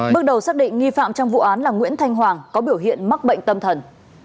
bước đầu xác định nghi phạm trong vụ án là nguyễn thanh hoàng có biểu hiện mắc bệnh tâm thần